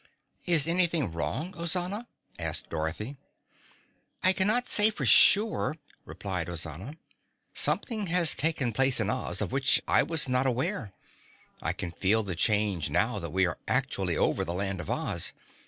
"Is anything wrong, Ozana?" called Dorothy. "I cannot say for sure," replied Ozana. "Something has taken place in Oz of which I was not aware. I can feel the change now that we are actually over the Land of Oz.